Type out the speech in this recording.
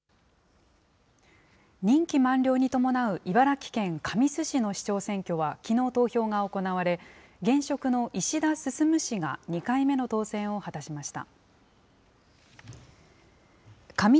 任期満了に伴う茨城県神栖市の市長選挙はきのう投票が行われ、現職の石田進氏が２回目の当選を果たしました。